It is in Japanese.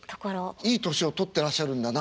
いい年を取ってらっしゃるんだなって。